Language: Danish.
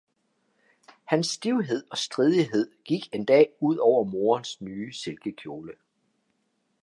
Hans stivhed og stridighed gik en dag ud over moderens nye silkekjole.